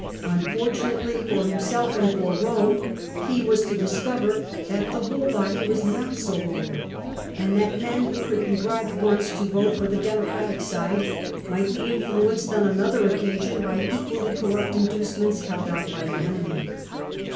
Unfortunately for himself and for Rome, he was to discover that the whole body was not so loyal, and that men who could be bribed once to vote for the PROPOSAL TO ENFRANCHISE THE ALLIES 71 Democratic side, might be inflnenced on another occasion by equally corrupt inducements held out by the enemy.